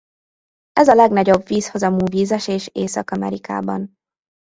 Ez a legnagyobb vízhozamú vízesés Észak-Amerikában.